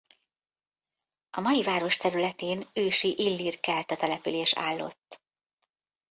A mai város területén ősi illír-kelta település állott.